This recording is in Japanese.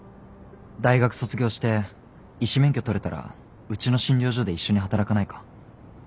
大学卒業して医師免許取れたらうちの診療所で一緒に働かないか？